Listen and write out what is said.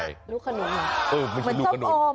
เหมือนลูกขนุน